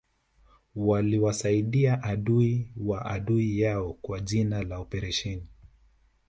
waliwasaidia adui wa adui yao kwa jina la oparesheni